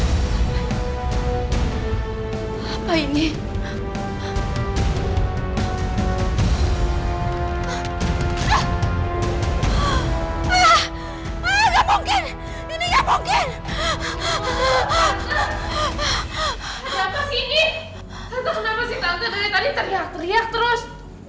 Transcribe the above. tante kenapa si tante dari tadi teriak teriak terus